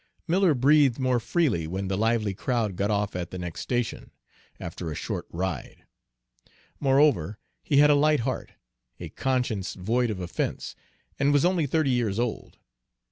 Miller breathed more freely when the lively crowd got off at the next station, after a short ride. Moreover, he had a light heart, a conscience void of offense, and was only thirty years old.